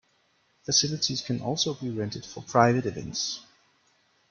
Facilities can also be rented for private events.